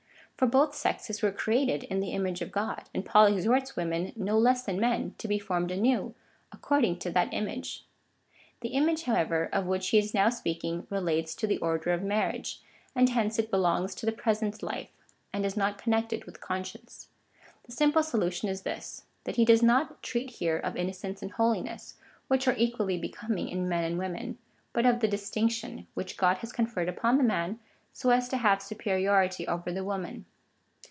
For both sexes were created in the image of God, and Paul exhorts women no less than men to be formed anew, according to that image. The image, however, of which he is now speaking, relates to the order of marriage, and hence it belongs to the present life, and is not connected with conscience. The sim ple solution is this — that he does not treat here of innocence and holiness, which are equally becoming in men and women, but of the distinction, which Grod has conferred upon the man, so as to have superiority over the woman.